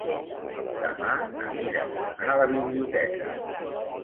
Demà na Mira vol anar a la biblioteca.